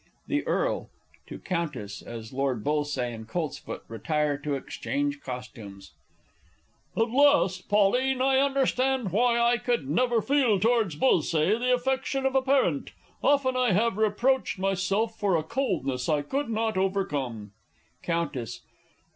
The Earl (to Countess, as Lord B. and COLTSFOOT retire to exchange costumes). At last, Pauline, I understand why I could never feel towards Bullsaye the affection of a parent. Often have I reproached myself for a coldness I could not overcome. _Countess.